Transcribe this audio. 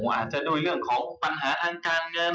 อาจจะด้วยเรื่องของปัญหาทางการเงิน